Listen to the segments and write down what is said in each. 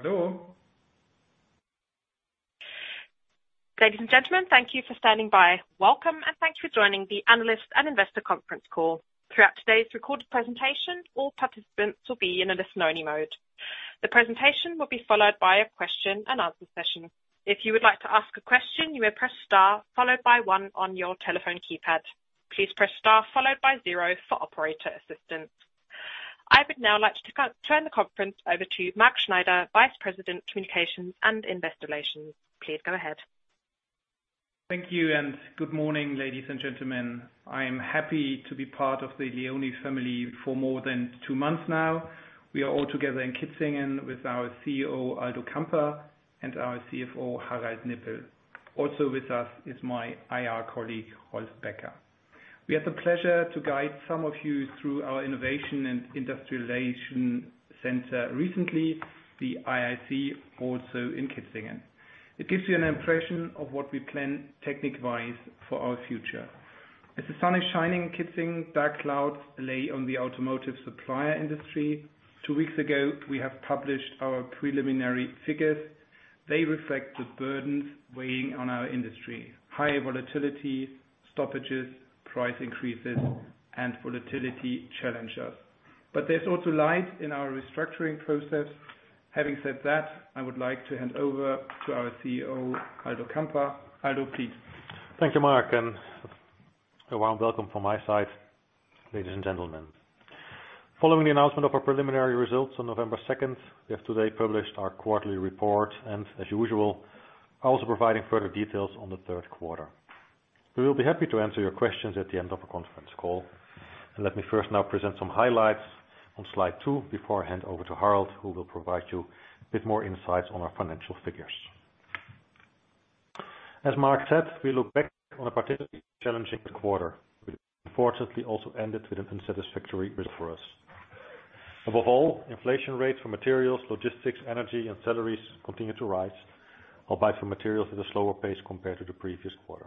Hello. Ladies and gentlemen, thank you for standing by. Welcome, and thanks for joining the Analyst and Investor Conference Call. Throughout today's recorded presentation, all participants will be in a listen only mode. The presentation will be followed by a question and answer session. If you would like to ask a question, you may press star followed by one on your telephone keypad. Please press star followed by zero for operator assistance. I would now like to turn the conference over to Sven Schmidt, Vice President, Communications and Investor Relations. Please go ahead. Thank you, and good morning, ladies and gentlemen. I am happy to be part of the LEONI family for more than two months now. We are all together in Kitzingen with our CEO, Aldo Kamper, and our CFO, Harald Nippel. Also with us is my IR colleague, Rolf Becker. We had the pleasure to guide some of you through our innovation and industrialization center recently, the IIC, also in Kitzingen. It gives you an impression of what we plan technique-wise for our future. As the sun is shining in Kitzingen, dark clouds lay on the automotive supplier industry. Two weeks ago, we have published our preliminary figures. They reflect the burdens weighing on our industry. High volatility, stoppages, price increases, and volatility challenge us. There's also light in our restructuring process. Having said that, I would like to hand over to our CEO, Aldo Kamper. Aldo, please. Thank you, Sven, and a warm welcome from my side, ladies and gentlemen. Following the announcement of our preliminary results on November second, we have today published our quarterly report and, as usual, also providing further details on the third quarter. We will be happy to answer your questions at the end of the conference call. Let me first now present some highlights on slide two before I hand over to Harald, who will provide you with more insights on our financial figures. As Sven said, we look back on a particularly challenging quarter, which unfortunately also ended with an unsatisfactory result for us. Above all, inflation rates for materials, logistics, energy, and salaries continued to rise, albeit for materials at a slower pace compared to the previous quarter.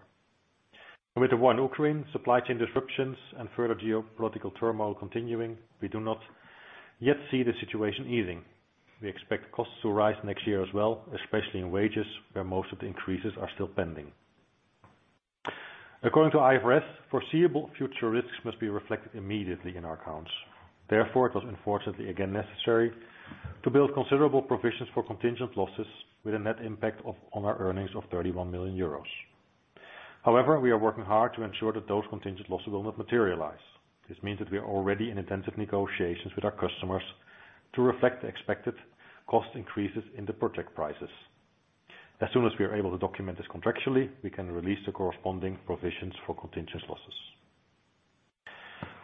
With the war in Ukraine, supply chain disruptions, and further geopolitical turmoil continuing, we do not yet see the situation easing. We expect costs to rise next year as well, especially in wages where most of the increases are still pending. According to IFRS, foreseeable future risks must be reflected immediately in our accounts. Therefore, it was unfortunately again necessary to build considerable provisions for contingent losses with a net impact of EUR 31 million on our earnings. However, we are working hard to ensure that those contingent losses will not materialize. This means that we are already in intensive negotiations with our customers to reflect the expected cost increases in the project prices. As soon as we are able to document this contractually, we can release the corresponding provisions for contingent losses.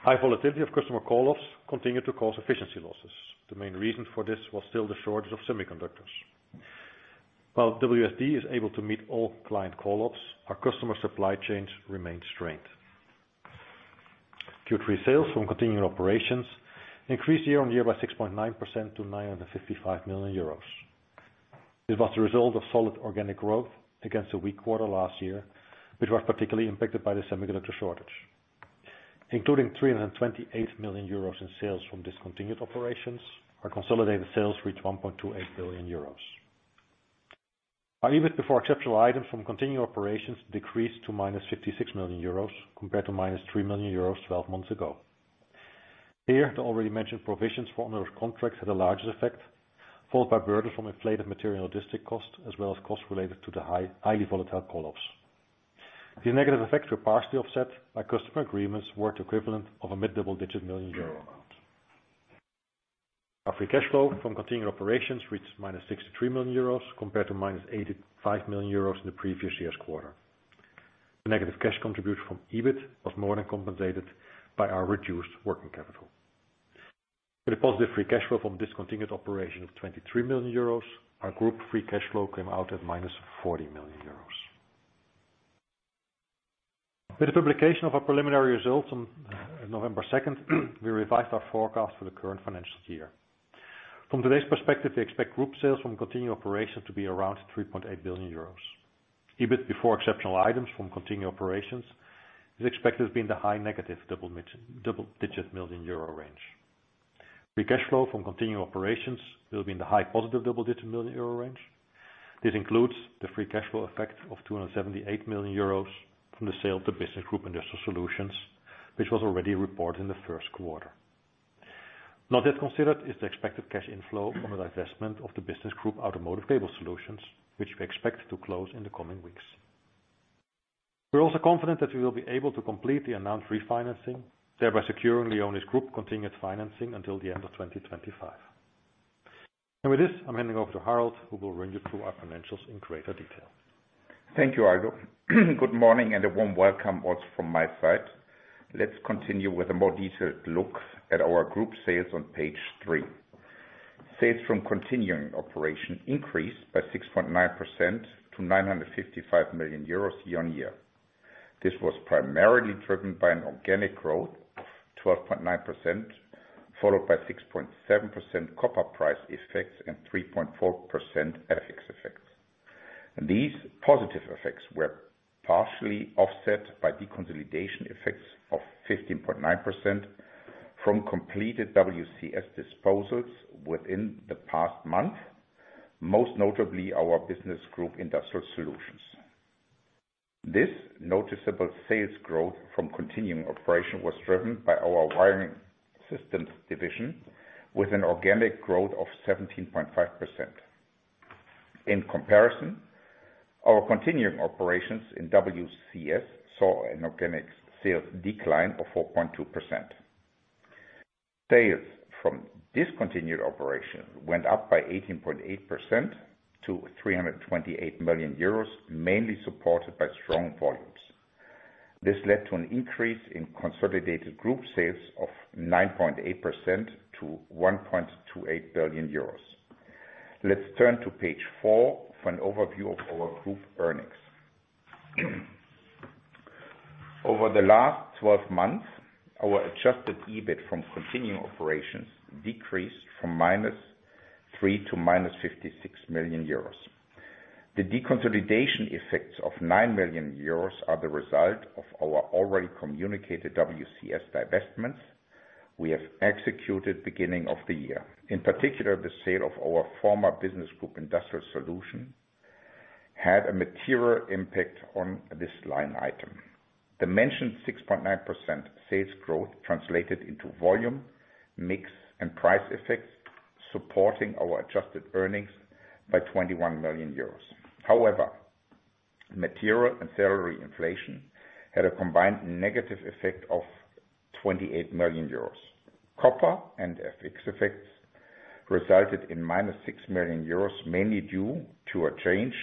High volatility of customer call-offs continued to cause efficiency losses. The main reason for this was still the shortage of semiconductors. While WSD is able to meet all client call-offs, our customer supply chains remain strained. Q3 sales from continuing operations increased year-on-year by 6.9% to 955 million euros. This was the result of solid organic growth against a weak quarter last year, which was particularly impacted by the semiconductor shortage. Including 328 million euros in sales from discontinued operations, our consolidated sales reached 1.28 billion euros. Our EBIT before exceptional items from continued operations decreased to -56 million euros compared to -3 million euros 12 months ago. Here, the already mentioned provisions for onerous contracts had the largest effect, followed by burdens from inflated material logistic costs, as well as costs related to the high, highly volatile call-offs. These negative effects were partially offset by customer agreements worth equivalent of a mid double-digit million EUR amount. Our free cash flow from continuing operations reached -63 million euros compared to -85 million euros in the previous year's quarter. The negative cash contribution from EBIT was more than compensated by our reduced working capital. With a positive free cash flow from discontinued operations of 23 million euros, our group free cash flow came out at -40 million euros. With the publication of our preliminary results on November second, we revised our forecast for the current financial year. From today's perspective, we expect group sales from continuing operations to be around 3.8 billion euros. EBIT before exceptional items from continuing operations is expected to be in the high negative double-digit million EUR range. Free cash flow from continued operations will be in the high positive double-digit million EUR range. This includes the free cash flow effect of 278 million euros from the sale of the business group Industrial Solutions, which was already reported in the first quarter. Not yet considered is the expected cash inflow from the divestment of the business group Automotive Cable Solutions, which we expect to close in the coming weeks. We're also confident that we will be able to complete the announced refinancing, thereby securing LEONI Group's continued financing until the end of 2025. With this, I'm handing over to Harald, who will run you through our financials in greater detail. Thank you, Aldo. Good morning and a warm welcome also from my side. Let's continue with a more detailed look at our group sales on page three. Sales from continuing operation increased by 6.9% to 955 million euros year-on-year. This was primarily driven by an organic growth of 12.9%, followed by 6.7% copper price effects and 3.4% FX effects. These positive effects were partially offset by deconsolidation effects of 15.9% from completed WCS disposals within the past month, most notably our business group Industrial Solutions. This noticeable sales growth from continuing operation was driven by our wiring systems division, with an organic growth of 17.5%. In comparison, our continuing operations in WCS saw an organic sales decline of 4.2%. Sales from discontinued operation went up by 18.8% to 328 million euros, mainly supported by strong volumes. This led to an increase in consolidated group sales of 9.8% to 1.28 billion euros. Let's turn to page four for an overview of our group earnings. Over the last 12 months, our adjusted EBIT from continuing operations decreased from -3 million to -56 million euros. The deconsolidation effects of 9 million euros are the result of our already communicated WCS divestments we have executed beginning of the year. In particular, the sale of our former business group, Industrial Solutions, had a material impact on this line item. The mentioned 6.9% sales growth translated into volume, mix, and price effects, supporting our adjusted earnings by 21 million euros. However, material and salary inflation had a combined negative effect of 28 million euros. Copper and FX effects resulted in -6 million euros, mainly due to a change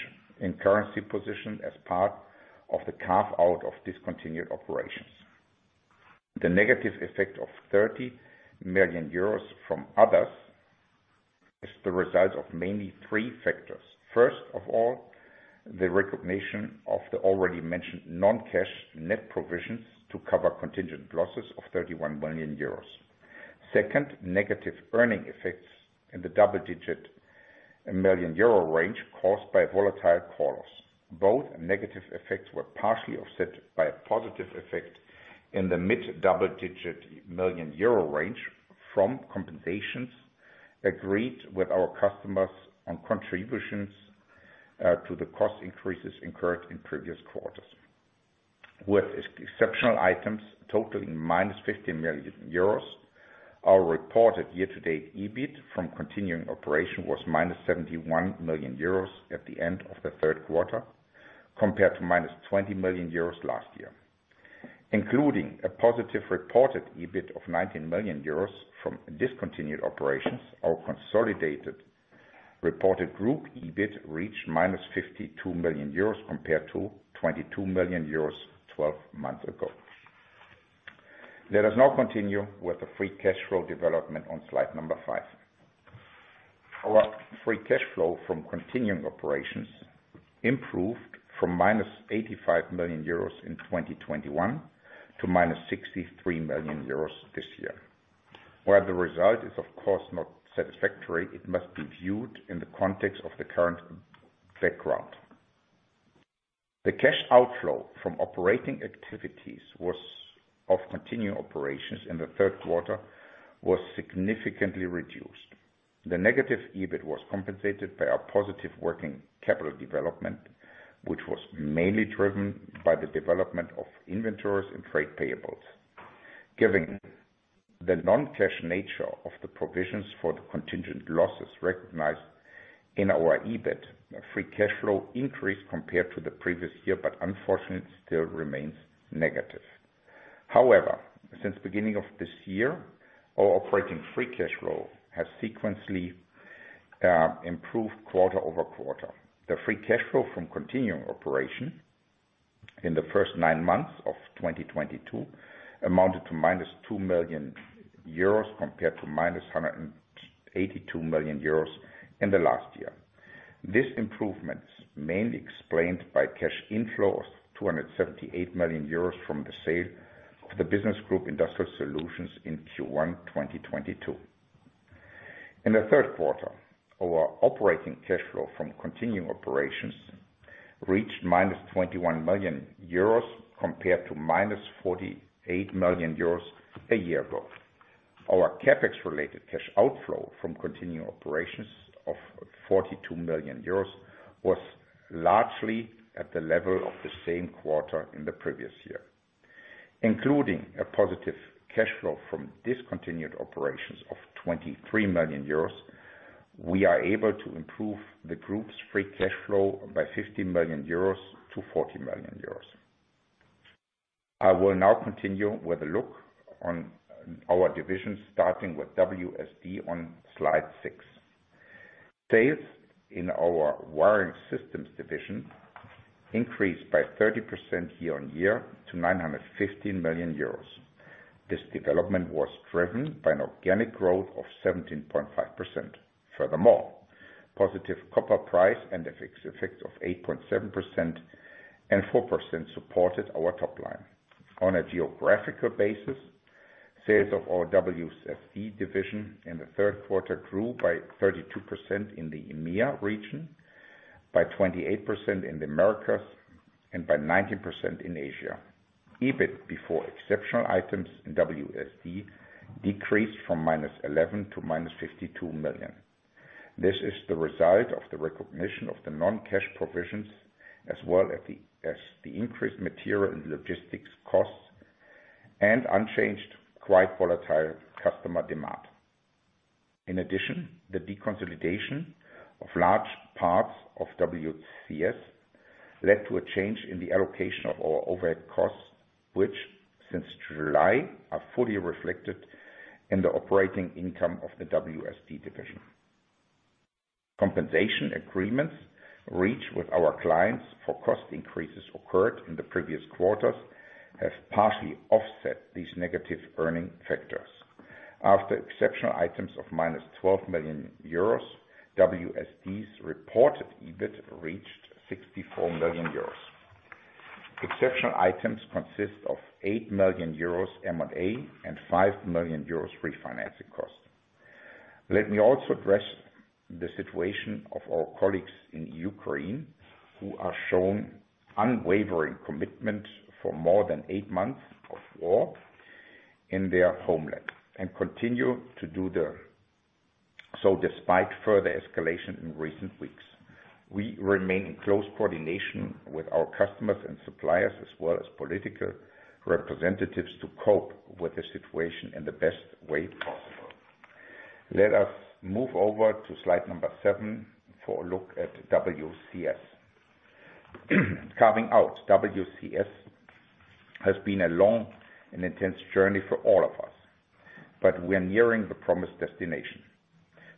in currency position as part of the carve-out of discontinued operations. The negative effect of 30 million euros from others is the result of mainly three factors. First of all, the recognition of the already mentioned non-cash net provisions to cover contingent losses of 31 million euros. Second, negative earnings effects in the double-digit million EUR range caused by volatile copper. Both negative effects were partially offset by a positive effect in the mid-double-digit million EUR range from compensations agreed with our customers on contributions to the cost increases incurred in previous quarters. With exceptional items totaling -50 million euros, our reported year-to-date EBIT from continuing operations was -71 million euros at the end of the third quarter, compared to -20 million euros last year. Including a positive reported EBIT of 19 million euros from discontinued operations, our consolidated reported group EBIT reached -52 million euros compared to 22 million euros 12 months ago. Let us now continue with the free cash flow development on slide 5. Our free cash flow from continuing operations improved from -85 million euros in 2021 to -63 million euros this year, where the result is, of course, not satisfactory. It must be viewed in the context of the current background. The cash outflow from operating activities of continuing operations in the third quarter was significantly reduced. The negative EBIT was compensated by a positive working capital development, which was mainly driven by the development of inventories and trade payables. Given the non-cash nature of the provisions for the contingent losses recognized in our EBIT, free cash flow increased compared to the previous year, but unfortunately, it still remains negative. However, since beginning of this year, our operating free cash flow has sequentially improved quarter-over-quarter. The free cash flow from continuing operations in the first nine months of 2022 amounted to -2 million euros compared to -182 million euros in the last year. This improvement is mainly explained by cash inflows, 278 million euros from the sale of the business group Industrial Solutions in Q1 2022. In the third quarter, our operating cash flow from continuing operations reached -21 million euros compared to -48 million euros a year ago. Our CapEx-related cash outflow from continuing operations of 42 million euros was largely at the level of the same quarter in the previous year. Including a positive cash flow from discontinued operations of 23 million euros, we are able to improve the group's free cash flow by 50 million euros to 40 million euros. I will now continue with a look on our divisions, starting with WSD on slide six. Sales in our wiring systems division increased by 30% year-on-year to 915 million euros. This development was driven by an organic growth of 17.5%. Furthermore, positive copper price and FX effects of 8.7% and 4% supported our top line. On a geographical basis, sales of our WSD division in the third quarter grew by 32% in the EMEA region, by 28% in the Americas, and by 19% in Asia. EBIT before exceptional items in WSD decreased from -11 million to -52 million. This is the result of the recognition of the non-cash provisions as well as the increased material and logistics costs and unchanged quite volatile customer demand. In addition, the deconsolidation of large parts of WCS led to a change in the allocation of our overhead costs, which since July, are fully reflected in the operating income of the WSD division. Compensation agreements reached with our clients for cost increases occurred in the previous quarters have partially offset these negative earnings factors. After exceptional items of -12 million euros, WSD's reported EBIT reached 64 million euros. Exceptional items consist of 8 million euros M&A and 5 million euros refinancing cost. Let me also address the situation of our colleagues in Ukraine who have shown unwavering commitment for more than eight months of war in their homeland and continue to do so despite further escalation in recent weeks. We remain in close coordination with our customers and suppliers as well as political representatives to cope with the situation in the best way possible. Let us move over to slide number seven for a look at WCS. Carving out WCS has been a long and intense journey for all of us, but we are nearing the promised destination.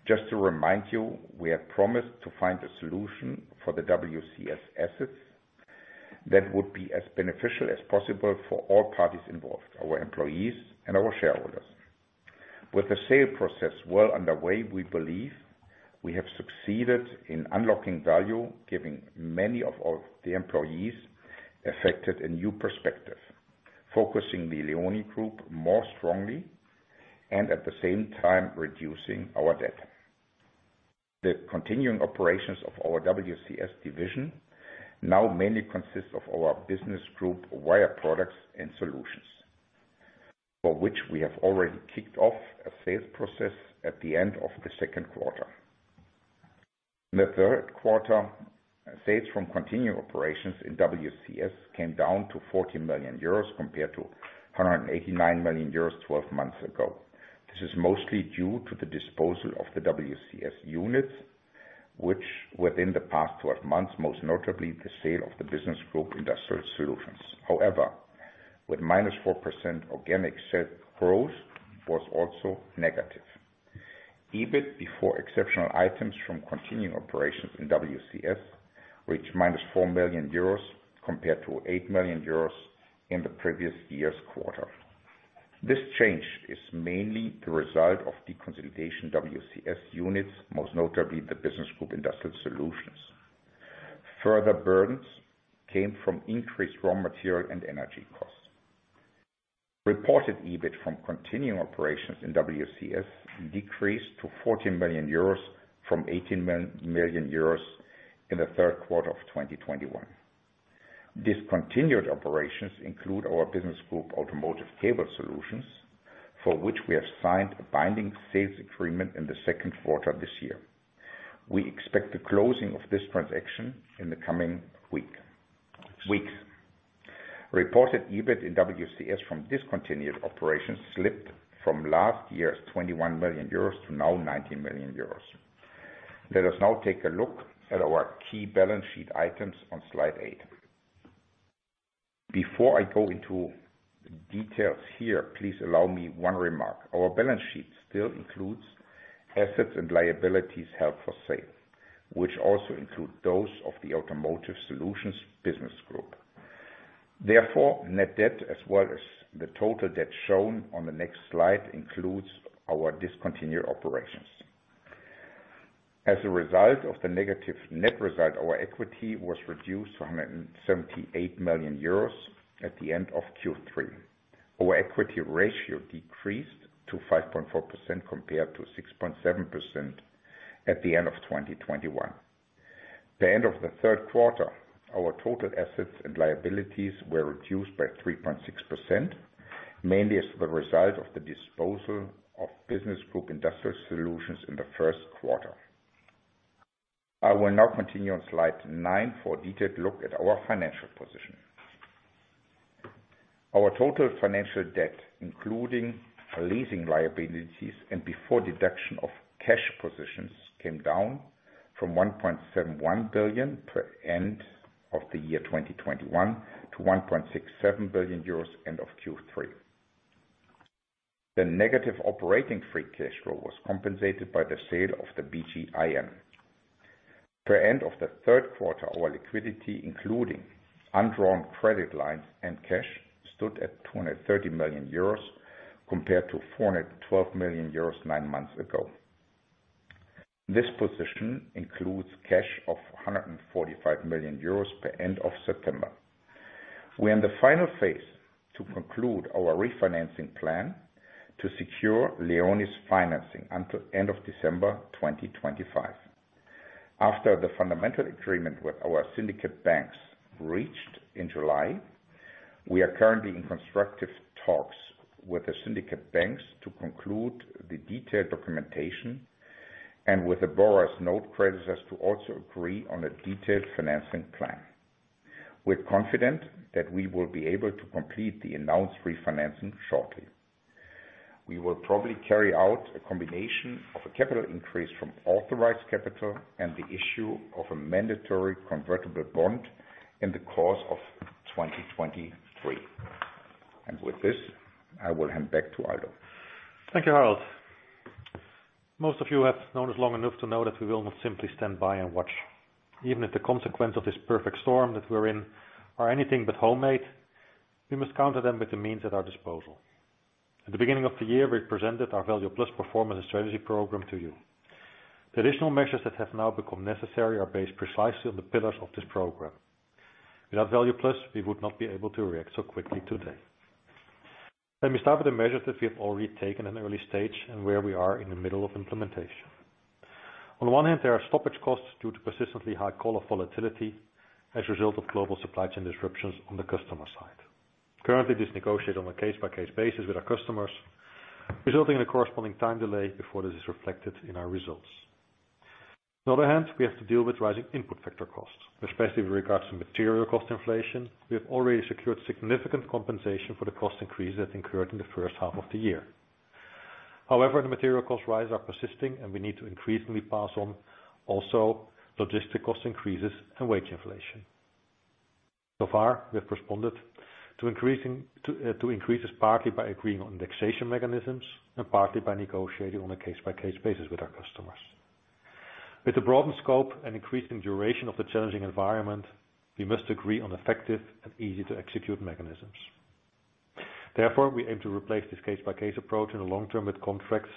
Just to remind you, we have promised to find a solution for the WCS assets that would be as beneficial as possible for all parties involved, our employees and our shareholders. With the sale process well underway, we believe we have succeeded in unlocking value, giving many of the employees affected a new perspective, focusing the LEONI Group more strongly and at the same time reducing our debt. The continuing operations of our WCS division now mainly consists of our business group Wire Products and Solutions, for which we have already kicked off a sales process at the end of the second quarter. In the third quarter, sales from continuing operations in WCS came down to 40 million euros compared to 189 million euros 12 months ago. This is mostly due to the disposal of the WCS units, which within the past 12 months, most notably the sale of the Business Group Industrial Solutions. However, with -4% organic sales growth was also negative. EBIT before exceptional items from continuing operations in WCS reached -4 million euros compared to 8 million euros in the previous year's quarter. This change is mainly the result of deconsolidation WCS units, most notably the Business Group Industrial Solutions. Further burdens came from increased raw material and energy costs. Reported EBIT from continuing operations in WCS decreased to 14 million euros from 18 million euros in the third quarter of 2021. Discontinued operations include our business group Automotive Cable Solutions, for which we have signed a binding sales agreement in the second quarter of this year. We expect the closing of this transaction in the coming weeks. Reported EBIT in WCS from discontinued operations slipped from last year's 21 million euros to now 19 million euros. Let us now take a look at our key balance sheet items on slide eight. Before I go into details here, please allow me one remark. Our balance sheet still includes assets and liabilities held for sale, which also include those of the Automotive Cable Solutions business group. Therefore, net debt as well as the total debt shown on the next slide includes our discontinued operations. As a result of the negative net result, our equity was reduced to 178 million euros at the end of Q3. Our equity ratio decreased to 5.4% compared to 6.7% at the end of 2021. At the end of the third quarter, our total assets and liabilities were reduced by 3.6%, mainly as the result of the disposal of business group Industrial Solutions in the first quarter. I will now continue on slide 9 for a detailed look at our financial position. Our total financial debt, including lease liabilities and before deduction of cash positions, came down from 1.7 billion at the end of the year 2021 to 1.67 billion euros at the end of Q3. The negative operating free cash flow was compensated by the sale of the BG IN. As of the end of the third quarter, our liquidity including undrawn credit lines and cash stood at 230 million euros compared to 412 million euros nine months ago. This position includes cash of 145 million euros as of the end of September. We're in the final phase to conclude our refinancing plan to secure LEONI's financing until end of December 2025. After the fundamental agreement with our syndicate banks reached in July, we are currently in constructive talks with the syndicate banks to conclude the detailed documentation and with the borrower's note creditors to also agree on a detailed financing plan. We're confident that we will be able to complete the announced refinancing shortly. We will probably carry out a combination of a capital increase from authorized capital and the issue of a mandatory convertible bond in the course of 2023. With this, I will hand back to Aldo. Thank you, Harald. Most of you have known us long enough to know that we will not simply stand by and watch. Even if the consequence of this perfect storm that we're in are anything but homemade, we must counter them with the means at our disposal. At the beginning of the year, we presented our Value Plus performance and strategy program to you. The additional measures that have now become necessary are based precisely on the pillars of this program. Without Value Plus, we would not be able to react so quickly today. Let me start with the measures that we have already taken in the early stage and where we are in the middle of implementation. On one hand, there are stoppage costs due to persistently high call-off volatility as a result of global supply chain disruptions on the customer side. Currently, this is negotiated on a case-by-case basis with our customers, resulting in a corresponding time delay before this is reflected in our results. On the other hand, we have to deal with rising input factor costs, especially with regards to material cost inflation. We have already secured significant compensation for the cost increase that incurred in the H1 of the year. However, the material cost rise are persisting, and we need to increasingly pass on also logistical cost increases and wage inflation. So far, we have responded to increases partly by agreeing on indexation mechanisms and partly by negotiating on a case-by-case basis with our customers. With the broadened scope and increasing duration of the challenging environment, we must agree on effective and easy-to-execute mechanisms. Therefore, we aim to replace this case-by-case approach in the long term with contracts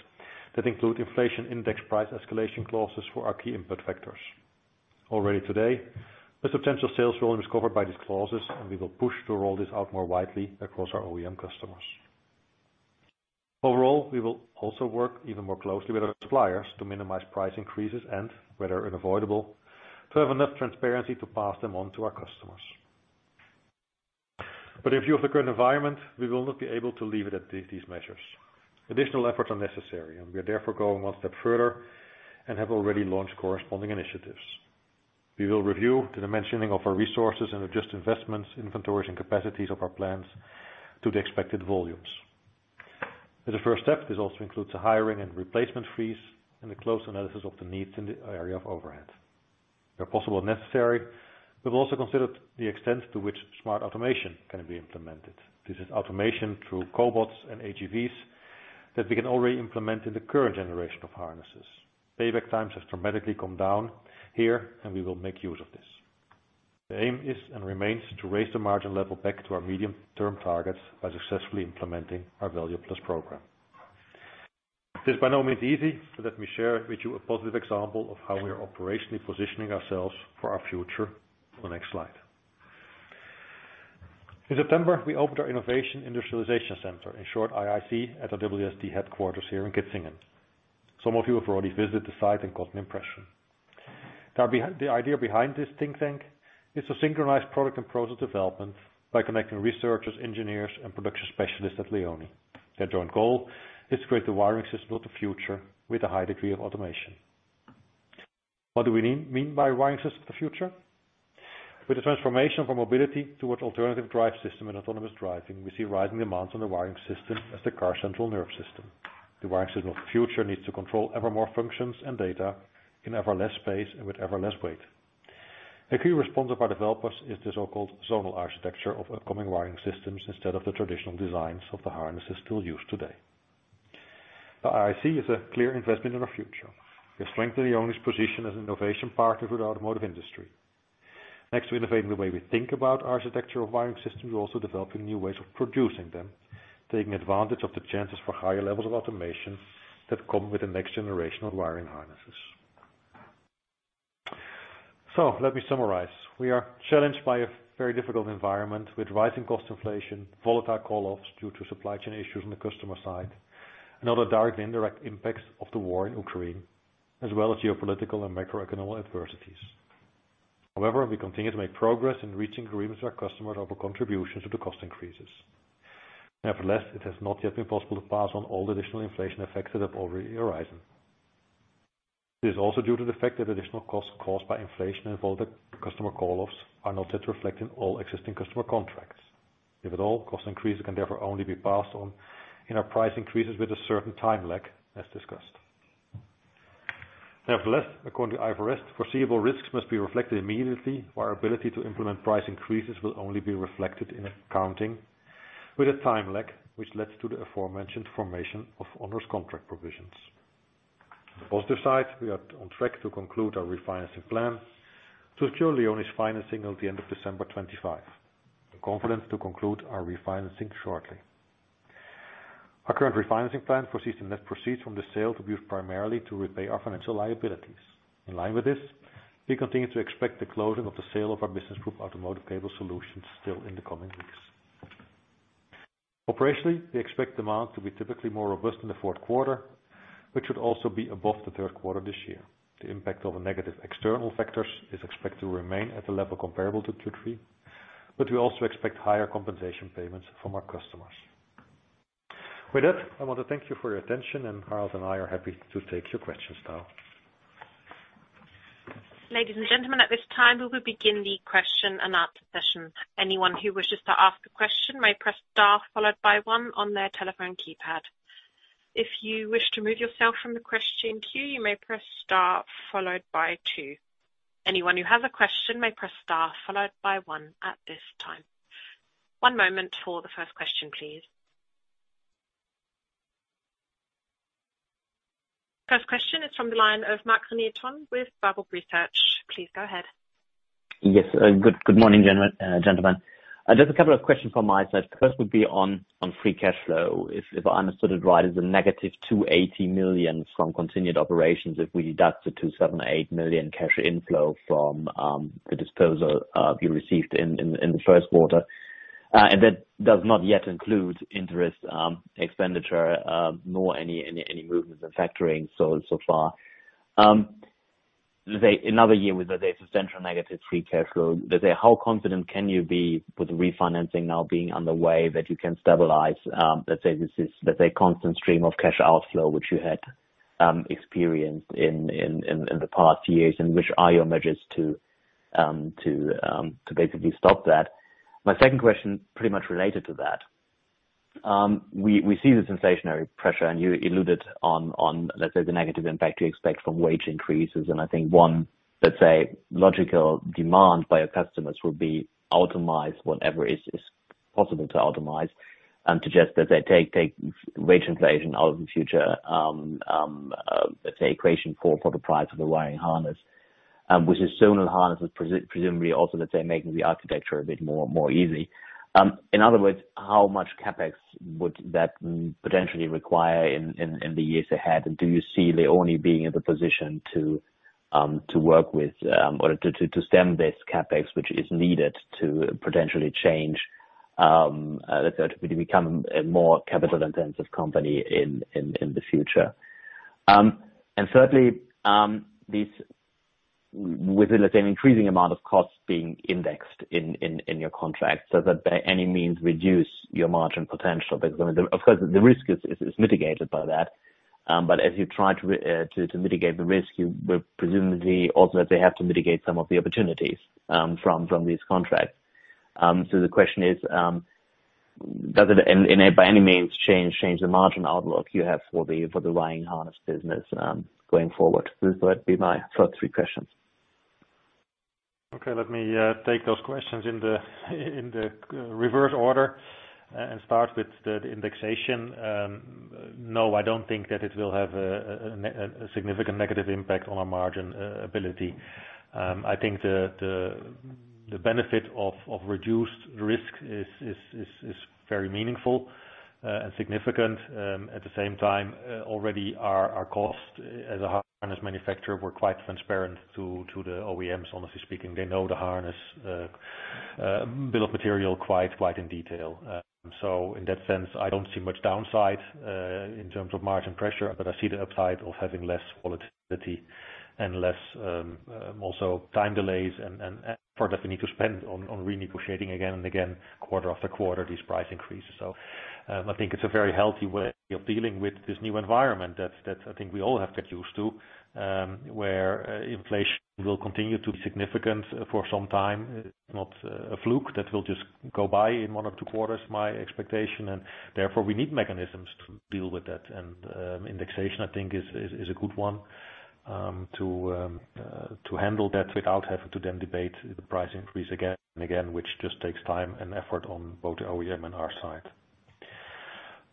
that include inflation index price escalation clauses for our key input factors. Already today, a substantial sales volume is covered by these clauses, and we will push to roll this out more widely across our OEM customers. Overall, we will also work even more closely with our suppliers to minimize price increases and where they're unavoidable, to have enough transparency to pass them on to our customers. In view of the current environment, we will not be able to leave it at these measures. Additional efforts are necessary, and we are therefore going one step further and have already launched corresponding initiatives. We will review the dimensioning of our resources and adjust investments, inventories, and capacities of our plants to the expected volumes. As a first step, this also includes a hiring and replacement freeze and a close analysis of the needs in the area of overhead. Where possible and necessary, we've also considered the extent to which smart automation can be implemented. This is automation through cobots and AGVs that we can already implement in the current generation of harnesses. Payback times have dramatically come down here, and we will make use of this. The aim is and remains to raise the margin level back to our medium-term targets by successfully implementing our Value Plus program. This is by no means easy, so let me share with you a positive example of how we are operationally positioning ourselves for our future on the next slide. In September, we opened our Innovation Industrialization Center, in short IIC, at our WSD headquarters here in Kitzingen. Some of you have already visited the site and got an impression. Now the idea behind this think tank is to synchronize product and process development by connecting researchers, engineers, and production specialists at LEONI. Their joint goal is to create the wiring system of the future with a high degree of automation. What do we mean by wiring system of the future? With the transformation from mobility towards alternative drive system and autonomous driving, we see rising demands on the wiring system as the car's central nervous system. The wiring system of the future needs to control ever more functions and data in ever less space and with ever less weight. A key response of our developers is the so-called zonal architecture of upcoming wiring systems instead of the traditional designs of the harnesses still used today. The IIC is a clear investment in our future. We have strengthened LEONI's position as an innovation partner with the automotive industry. Next to innovating the way we think about architectural wiring systems, we're also developing new ways of producing them, taking advantage of the chances for higher levels of automation that come with the next generation of wiring harnesses. Let me summarize. We are challenged by a very difficult environment with rising cost inflation, volatile call-offs due to supply chain issues on the customer side, and other direct and indirect impacts of the war in Ukraine, as well as geopolitical and macroeconomic adversities. However, we continue to make progress in reaching agreements with our customers over contributions to the cost increases. Nevertheless, it has not yet been possible to pass on all the additional inflation effects that have already arisen. This is also due to the fact that additional costs caused by inflation and volatile customer call-offs are not yet reflected in all existing customer contracts. If at all, cost increases can therefore only be passed on in our price increases with a certain time lag, as discussed. Nevertheless, according to IFRS, foreseeable risks must be reflected immediately, while our ability to implement price increases will only be reflected in accounting with a time lag, which leads to the aforementioned formation of onerous contract provisions. On the positive side, we are on track to conclude our refinancing plan to secure LEONI's financing at the end of December 2025. We're confident to conclude our refinancing shortly. Our current refinancing plan proceeds from the sale to be used primarily to repay our financial liabilities. In line with this, we continue to expect the closing of the sale of our business group Automotive Cable Solutions still in the coming weeks. Operationally, we expect demand to be typically more robust in the fourth quarter, which would also be above the third quarter this year. The impact of negative external factors is expected to remain at a level comparable to Q3, but we also expect higher compensation payments from our customers. With that, I want to thank you for your attention, and Harald and I are happy to take your questions now. Ladies and gentlemen, at this time, we will begin the question and answer session. Anyone who wishes to ask a question may press star followed by one on their telephone keypad. If you wish to remove yourself from the question queue, you may press star followed by two. Anyone who has a question may press star followed by one at this time. One moment for the first question, please. First question is from the line of Marc-René Tonn with Berenberg Research. Please go ahead. Yes. Good morning, gentlemen. Just a couple of questions from my side. First would be on free cash flow. If I understood it right, it's a negative 280 million from continued operations. If we deduct the 278 million cash inflow from the disposal you received in the first quarter, and that does not yet include interest expenditure nor any movements in factoring so far. Another year with a substantial negative free cash flow. Let's say, how confident can you be with refinancing now being on the way that you can stabilize, let's say this is, let's say, constant stream of cash outflow, which you had experienced in the past years, and which are your measures to basically stop that? My second question pretty much related to that. We see the inflationary pressure, and you alluded to let's say, the negative impact you expect from wage increases. I think one, let's say, logical demand by your customers would be automate whatever is possible to automate and to just, let's say, take wage inflation out of the future, let's say, equation for the price of the wiring harness, which is soon a harness with presumably also, let's say, making the architecture a bit more easy. In other words, how much CapEx would that potentially require in the years ahead? Do you see LEONI being in the position to work with or to stem this CapEx, which is needed to potentially change, let's say, to become a more capital-intensive company in the future? Thirdly, with, let's say, an increasing amount of costs being indexed in your contract, does that by any means reduce your margin potential? Because of course, the risk is mitigated by that. But as you try to mitigate the risk, you will presumably also that they have to mitigate some of the opportunities from these contracts. The question is, does it by any means change the margin outlook you have for the wiring harness business going forward? Those would be my first three questions. Okay, let me take those questions in the reverse order and start with the indexation. No, I don't think that it will have a significant negative impact on our margin ability. I think the benefit of reduced risk is very meaningful and significant. At the same time, already our costs as a harness manufacturer were quite transparent to the OEMs, honestly speaking. They know the harness bill of material quite in detail. So in that sense, I don't see much downside in terms of margin pressure, but I see the upside of having less volatility and less also time delays and effort that we need to spend on renegotiating again and again, quarter after quarter, these price increases. I think it's a very healthy way of dealing with this new environment that I think we all have to get used to, where inflation will continue to be significant for some time. It's not a fluke that will just go by in one or two quarters, my expectation. Therefore, we need mechanisms to deal with that. Indexation, I think, is a good one to handle that without having to then debate the price increase again and again, which just takes time and effort on both the OEM and our side.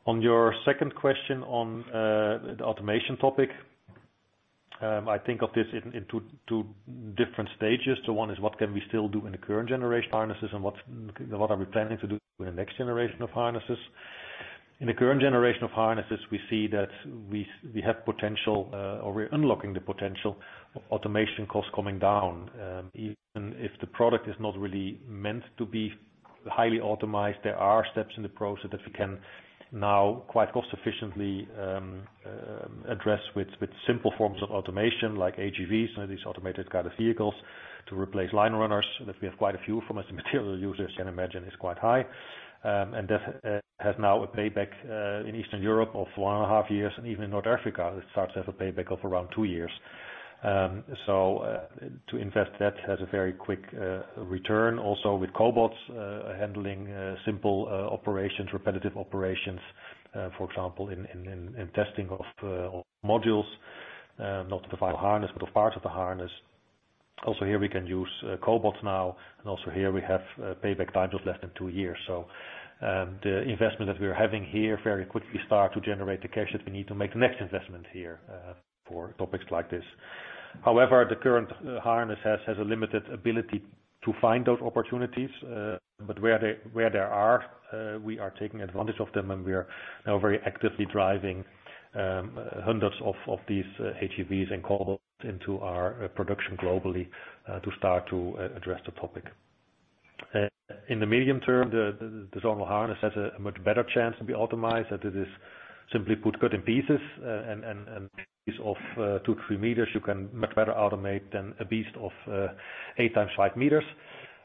On your second question on the automation topic, I think of this in two different stages. One is what can we still do in the current generation harnesses and what are we planning to do in the next generation of harnesses. In the current generation of harnesses, we see that we have potential or we're unlocking the potential of automation costs coming down. Even if the product is not really meant to be highly automated, there are steps in the process that we can now quite cost-efficiently address with simple forms of automation like AGVs, these automated guided vehicles, to replace line runners that we have quite a few of, as the material users can imagine, is quite high. That has now a payback in Eastern Europe of 1.5 years, and even in North Africa, it starts to have a payback of around 2 years. Investments that have a very quick return. Also with cobots handling simple operations, repetitive operations, for example, in testing of modules, not the final harness, but a part of the harness. Also here we can use cobots now, and also here we have payback time of less than two years. The investment that we are having here very quickly start to generate the cash that we need to make the next investment here for topics like this. However, the current harness has a limited ability to find those opportunities, but where there are, we are taking advantage of them, and we are now very actively driving hundreds of these HEVs into our production globally to start to address the topic. In the medium term, the zonal harness has a much better chance to be automated, that is, simply put, cut in pieces and pieces of 2-3 meters, you can much better automate than a beast of 8 x 5 meters.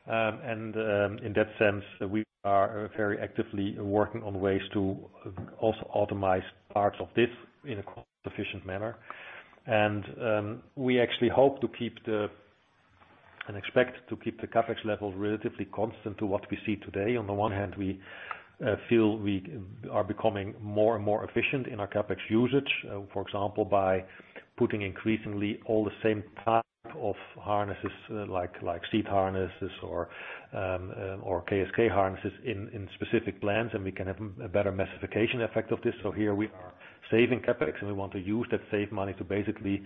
In that sense, we are very actively working on ways to also automate parts of this in a cost-efficient manner. We actually hope and expect to keep the CapEx levels relatively constant to what we see today. On the one hand, we feel we are becoming more and more efficient in our CapEx usage, for example, by putting increasingly all the same type of harnesses, like seat harnesses or KSK harnesses in specific plants, and we can have a better massification effect of this. Here we are saving CapEx, and we want to use that saved money to basically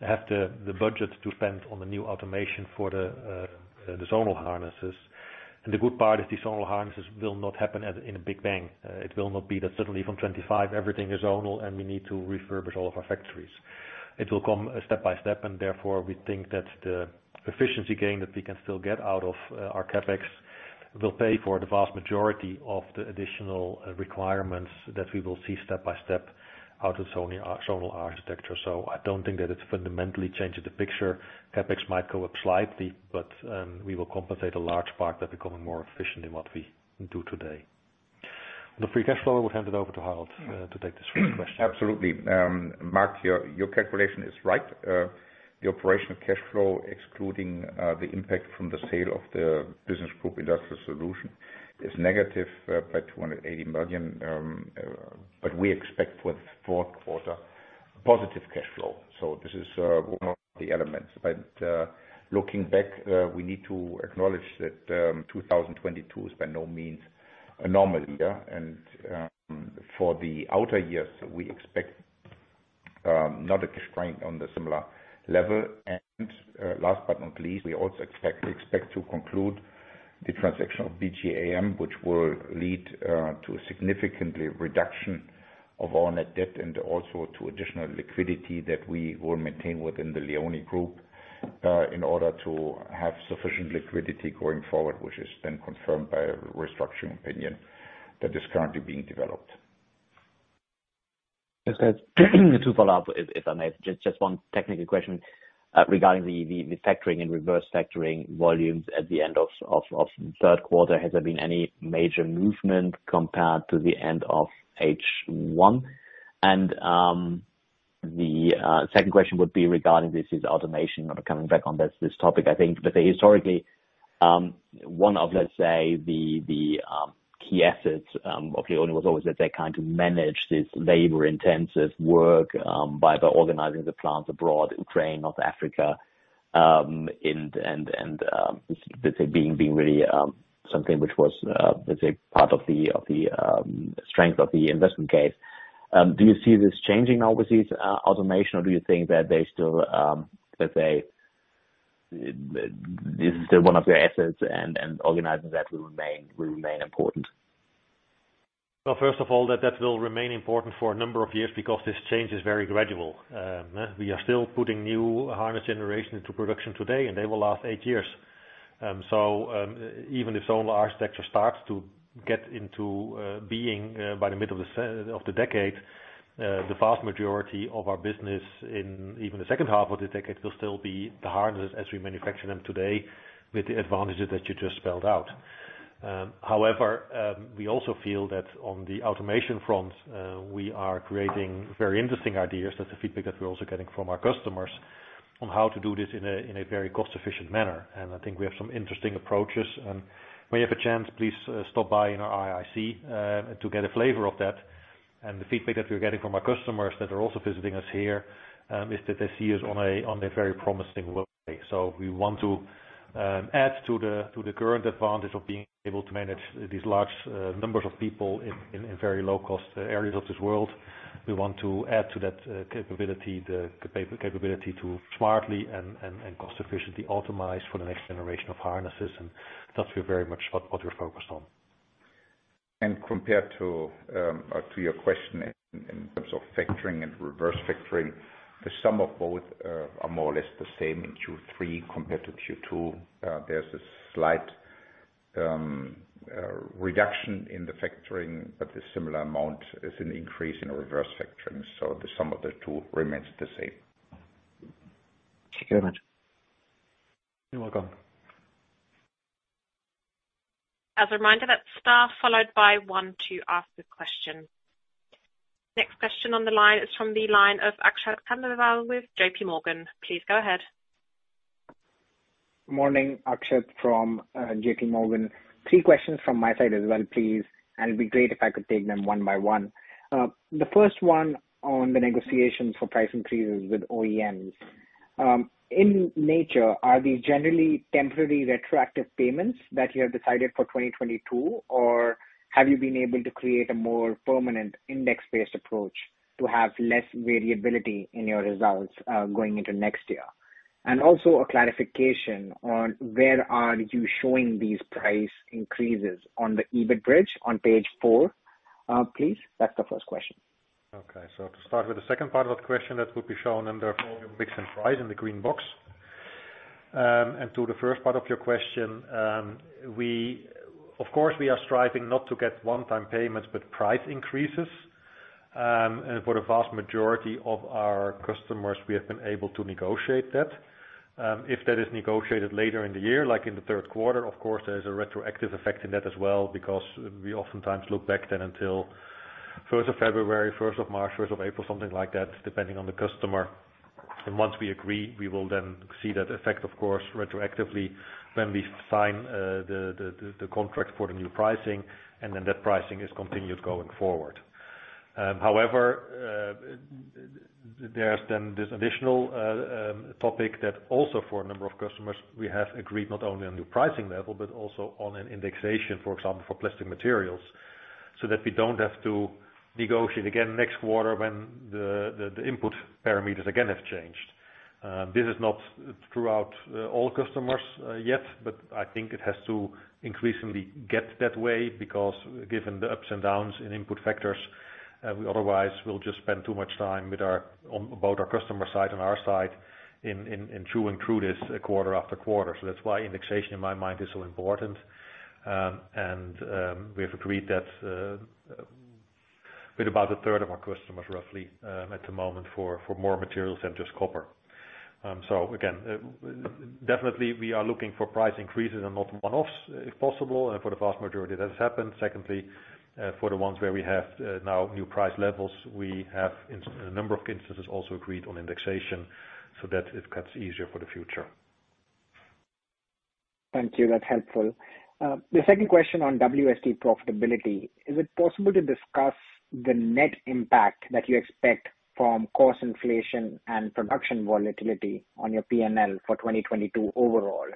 have the budget to spend on the new automation for the zonal harnesses. The good part is these zonal harnesses will not happen at, in a big bang. It will not be that suddenly from 25, everything is zonal and we need to refurbish all of our factories. It will come step by step, and therefore we think that the efficiency gain that we can still get out of our CapEx will pay for the vast majority of the additional requirements that we will see step by step out of zonal architecture. I don't think that it's fundamentally changing the picture. CapEx might go up slightly, but we will compensate a large part by becoming more efficient in what we do today. The free cash flow, I will hand it over to Harald to take this question. Absolutely. Marc, your calculation is right. The operational cash flow, excluding the impact from the sale of the business group Industrial Solutions, is negative by 280 million. We expect for the fourth quarter positive cash flow. This is one of the elements. Looking back, we need to acknowledge that 2022 is by no means a normal year. For the outer years, we expect not a constraint on the similar level. Last but not least, we also expect to conclude the transaction of BGAM, which will lead to a significant reduction of our net debt and also to additional liquidity that we will maintain within the LEONI Group in order to have sufficient liquidity going forward, which is then confirmed by a restructuring opinion that is currently being developed. To follow up, if I may, just one technical question regarding the factoring and reverse factoring volumes at the end of third quarter. Has there been any major movement compared to the end of H1? The second question would be regarding automation. Coming back on this topic, I think. Historically, one of, let's say, the key assets of LEONI was always that they kind of manage this labor-intensive work by organizing the plants abroad, Ukraine, North Africa, and let's say being really something which was, let's say, part of the strength of the investment case. Do you see this changing overseas, automation? Do you think that they still, let's say, this is one of their assets and organizing that will remain important? Well, first of all, that will remain important for a number of years because this change is very gradual. We are still putting new harness generation into production today, and they will last eight years. Even if zonal architecture starts to come into being by the middle of the decade, the vast majority of our business in even the H2 of the decade will still be the harnesses as we manufacture them today with the advantages that you just spelled out. However, we also feel that on the automation front, we are creating very interesting ideas. That's the feedback that we're also getting from our customers on how to do this in a very cost-efficient manner. I think we have some interesting approaches. When you have a chance, please, stop by in our IIC to get a flavor of that. The feedback that we're getting from our customers that are also visiting us here is that they see us in a very promising way. We want to add to the current advantage of being able to manage these large numbers of people in very low-cost areas of this world. We want to add to that capability, the capability to smartly and cost efficiently automate for the next generation of harnesses. That's very much what we're focused on. Compared to your question in terms of factoring and reverse factoring, the sum of both are more or less the same in Q3 compared to Q2. There's a slight reduction in the factoring, but the similar amount is an increase in reverse factoring. The sum of the two remains the same. Thank you very much. You're welcome. As a reminder, that's star followed by 1 to ask the question. Next question on the line is from the line of Akshat Khandelwal with JP Morgan. Please go ahead. Morning. Akshat from JP Morgan. 3 questions from my side as well, please, and it'd be great if I could take them one by one. The first one on the negotiations for price increases with OEMs. In nature, are they generally temporary retroactive payments that you have decided for 2022? Or have you been able to create a more permanent index-based approach to have less variability in your results, going into next year? Also a clarification on where you are showing these price increases on the EBIT bridge on page 4, please. That's the first question. Okay. To start with the second part of that question, that will be shown under volume, mix, and price in the green box. To the first part of your question, of course, we are striving not to get one-time payments, but price increases. For the vast majority of our customers, we have been able to negotiate that. If that is negotiated later in the year, like in the third quarter, of course, there's a retroactive effect in that as well because we oftentimes look back then until first of February, first of March, first of April, something like that, depending on the customer. Once we agree, we will then see that effect, of course, retroactively when we sign the contract for the new pricing, and then that pricing is continued going forward. However, there's then this additional topic that also for a number of customers, we have agreed not only on the pricing level, but also on an indexation, for example, for plastic materials, so that we don't have to negotiate again next quarter when the input parameters again have changed. This is not throughout all customers yet, but I think it has to increasingly get that way because given the ups and downs in input factors, we otherwise will just spend too much time on both our customer side and our side in chewing through this quarter after quarter. That's why indexation, in my mind, is so important. We have agreed that with about a third of our customers, roughly, at the moment for more materials than just copper. Again, definitely we are looking for price increases and not one-offs if possible. For the vast majority that has happened. Secondly, for the ones where we have now new price levels, we have in a number of instances also agreed on indexation so that it gets easier for the future. Thank you. That's helpful. The second question on WSD profitability, is it possible to discuss the net impact that you expect from cost inflation and production volatility on your PNL for 2022 overall?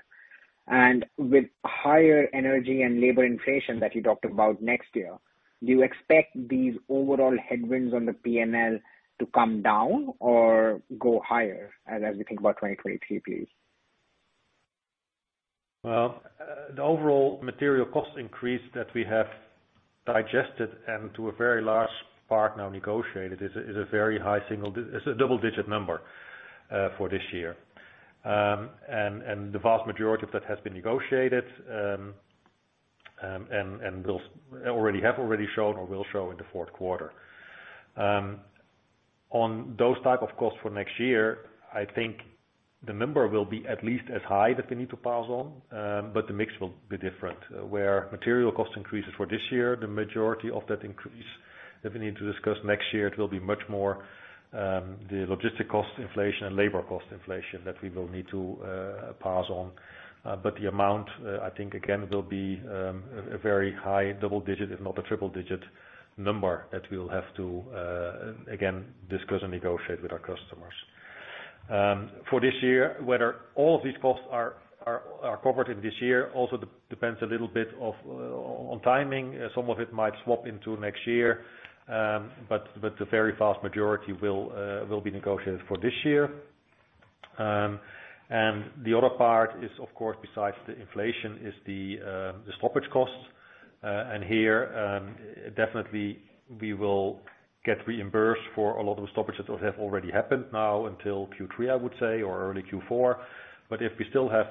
With higher energy and labor inflation that you talked about next year, do you expect these overall headwinds on the PNL to come down or go higher as we think about 2023, please? Well, the overall material cost increase that we have digested and to a very large part now negotiated is a double-digit number for this year. The vast majority of that has been negotiated and will already have shown or will show in the fourth quarter. On those type of costs for next year, I think the number will be at least as high that we need to pass on, but the mix will be different. Where material cost increases for this year, the majority of that increase that we need to discuss next year, it will be much more the logistics cost inflation and labor cost inflation that we will need to pass on. The amount, I think again, will be a very high double digit, if not a triple digit number that we'll have to again discuss and negotiate with our customers. For this year, whether all of these costs are covered in this year also depends a little bit on timing. Some of it might swap into next year. The very vast majority will be negotiated for this year. The other part is, of course, besides the inflation, the stoppage costs. Here, definitely we will get reimbursed for a lot of the stoppages that have already happened now until Q3, I would say, or early Q4. If we still have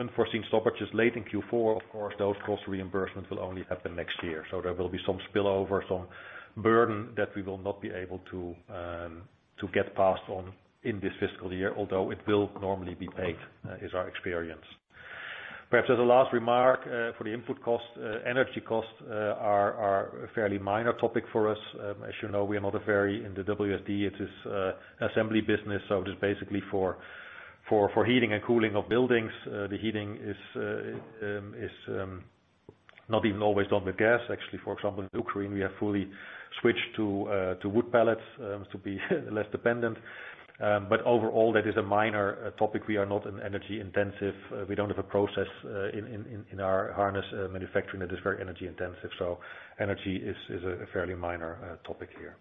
unforeseen stoppages late in Q4, of course, those cost reimbursements will only happen next year. There will be some spill over, some burden that we will not be able to get passed on in this fiscal year, although it will normally be paid, is our experience. Perhaps as a last remark, for the input costs, energy costs are a fairly minor topic for us. As you know, we are not energy intensive in the WSD, it is assembly business, so it is basically for heating and cooling of buildings. The heating is not even always done with gas. Actually, for example, in Ukraine, we have fully switched to wood pellets to be less dependent. But overall, that is a minor topic. We are not an energy-intensive. We don't have a process in our harness manufacturing that is very energy intensive. Energy is a fairly minor topic here.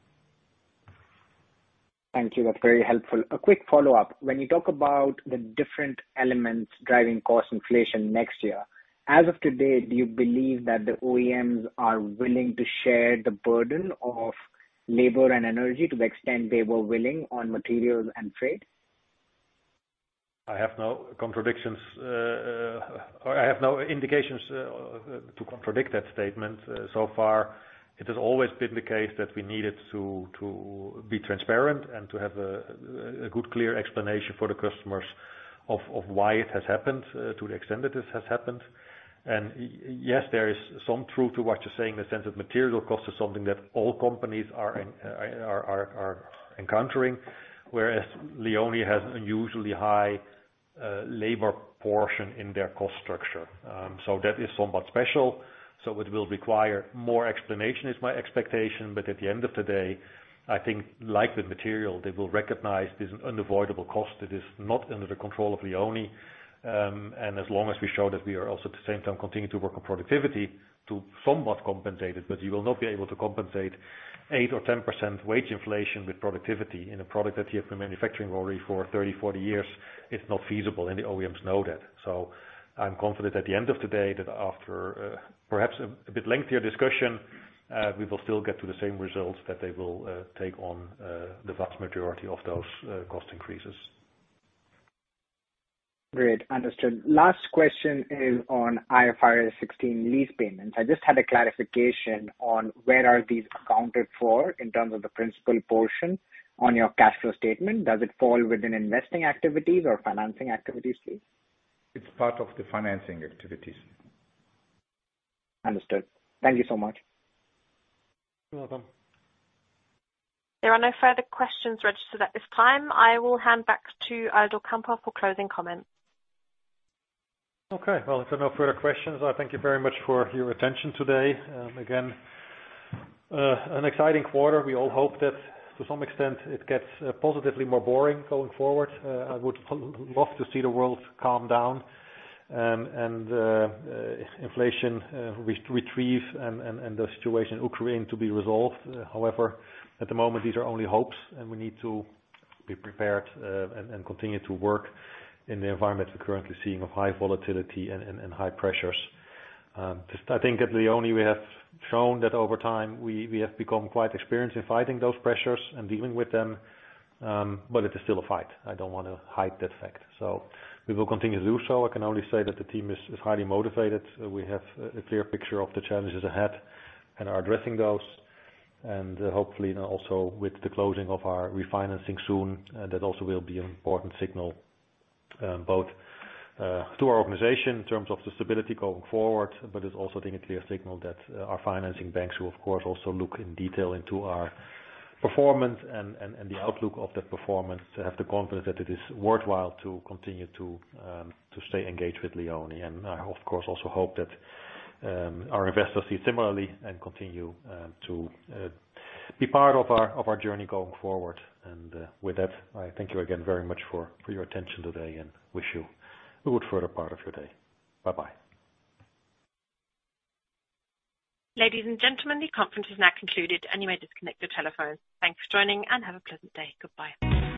Thank you. That's very helpful. A quick follow-up. When you talk about the different elements driving cost inflation next year, as of today, do you believe that the OEMs are willing to share the burden of labor and energy to the extent they were willing on materials and freight? I have no indications to contradict that statement so far. It has always been the case that we needed to be transparent and to have a good, clear explanation for the customers of why it has happened to the extent that this has happened. Yes, there is some truth to what you're saying in the sense that material cost is something that all companies are encountering, whereas LEONI has unusually high labor portion in their cost structure. That is somewhat special. It will require more explanation is my expectation. At the end of the day, I think like with material, they will recognize there's an unavoidable cost that is not under the control of LEONI. As long as we show that we are also at the same time continuing to work on productivity to somewhat compensate it, but you will not be able to compensate 8% or 10% wage inflation with productivity in a product that you have been manufacturing already for 30, 40 years. It's not feasible, and the OEMs know that. I'm confident at the end of the day that after perhaps a bit lengthier discussion, we will still get to the same results that they will take on the vast majority of those cost increases. Great. Understood. Last question is on IFRS 16 lease payments. I just had a clarification on where are these accounted for in terms of the principal portion on your cash flow statement? Does it fall within investing activities or financing activities, please? It's part of the financing activities. Understood. Thank you so much. You're welcome. There are no further questions registered at this time. I will hand back to Aldo Kamper for closing comments. Okay. Well, if there are no further questions, I thank you very much for your attention today. Again, an exciting quarter. We all hope that to some extent it gets positively more boring going forward. I would love to see the world calm down, and U.S. inflation retrieve and the situation in Ukraine to be resolved. However, at the moment, these are only hopes, and we need to be prepared and continue to work in the environment we're currently seeing of high volatility and high pressures. I just think at LEONI we have shown that over time we have become quite experienced in fighting those pressures and dealing with them. It is still a fight. I don't want to hide that fact. We will continue to do so. I can only say that the team is highly motivated. We have a clear picture of the challenges ahead and are addressing those. Hopefully now also with the closing of our refinancing soon, that also will be an important signal, both to our organization in terms of the stability going forward. It's also, I think, a clear signal that our financing banks will of course also look in detail into our performance and the outlook of that performance to have the confidence that it is worthwhile to continue to stay engaged with LEONI. I of course also hope that our investors see similarly and continue to be part of our journey going forward. With that, I thank you again very much for your attention today and wish you a good further part of your day. Bye-bye. Ladies and gentlemen, the conference is now concluded and you may disconnect your telephones. Thanks for joining and have a pleasant day. Goodbye.